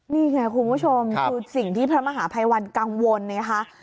นี่ไงคุณผู้ชมคือสิ่งที่พระมหาภัยวันกังวลไงคะ